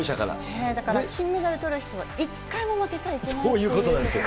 だから金メダルとる人は一回も負けちゃいけないということですよね。